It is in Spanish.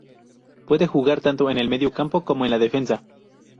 Puede jugar tanto en el mediocampo como en la defensa.